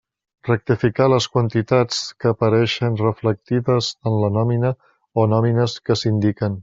Rectificar les quantitats que apareixen reflectides en la nòmina o nòmines que s'indiquen.